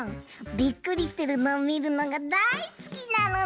びっくりしてるのをみるのがだいすきなのだ！